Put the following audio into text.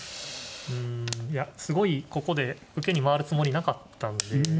いやすごいここで受けに回るつもりなかったんで。